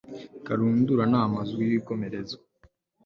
karundura n'amazu y'ibikomerezwa